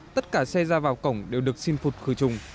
tất cả xe ra vào cổng đều được xin phục khử trùng